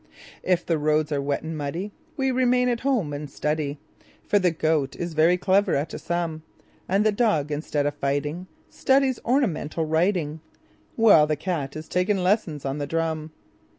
If the roads are wet and muddyWe remain at home and study,—For the Goat is very clever at a sum,—And the Dog, instead of fighting, Studies ornamental writing, While the Cat is taking lessons on the drum.